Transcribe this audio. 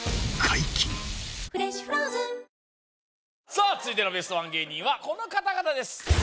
さあ続いてのベストワン芸人はこの方々です